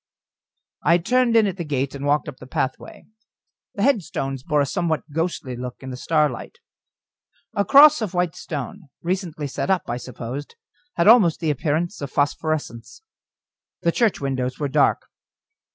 I turned in at the gate, and walked up the pathway. The headstones bore a somewhat ghostly look in the starlight. A cross of white stone, recently set up, I supposed, had almost the appearance of phosphorescence. The church windows were dark.